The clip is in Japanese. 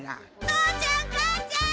父ちゃん母ちゃん！